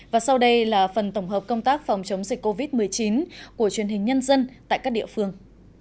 và sau đây là phần tổng hợp công tác phòng chống dịch covid một mươi chín của truyền hình nhân dân tại các địa phương